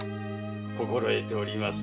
心得ております。